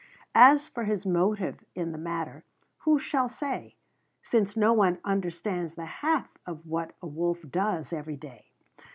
As for his motive in the matter, who shall say, since no one understands the half of what a wolf does every day?